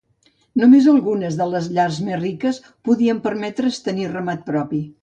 Només algunes de les llars més riques podien permetre's tenir ramat propi.